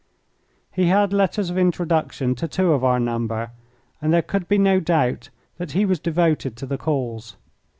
He had letters of introduction to two of our number, and there could be no doubt that he was devoted to the cause.